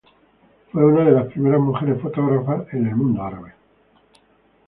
Fue una de las primeras mujeres fotógrafas en el mundo árabe.